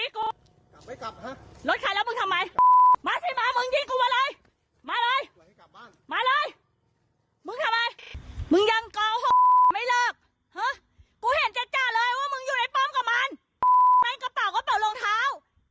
กระเป๋ากระเป๋ากระเป๋าโรงเท้า